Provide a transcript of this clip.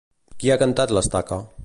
Qui ha cantat l'Estaca?